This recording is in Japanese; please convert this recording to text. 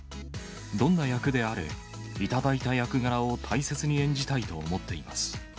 どんな役であれ、頂いた役柄を大切に演じたいと思っています。